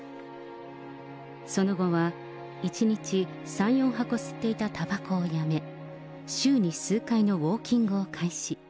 その後は１日３、４箱吸っていたたばこをやめ、週に数回のウォーキングを開始。